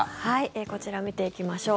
こちら見ていきましょう。